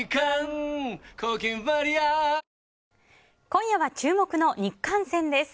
今夜は注目の日韓戦です。